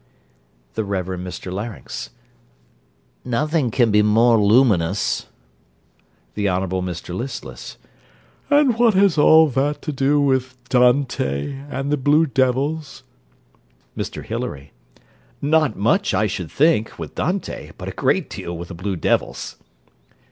THE REVEREND MR LARYNX Nothing can be more luminous. THE HONOURABLE MR LISTLESS And what has all that to do with Dante, and the blue devils? MR HILARY Not much, I should think, with Dante, but a great deal with the blue devils.